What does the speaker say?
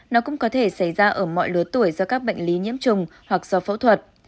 nó cũng có thể xảy ra ở mọi lứa tuổi do các bệnh lý nhiễm trùng hoặc do phẫu thuật